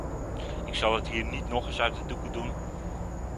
Ik zal het hier niet nog eens uit de doeken doen.